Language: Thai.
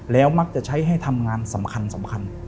แล้วมักจะใช้ให้ทำงานสำคัญ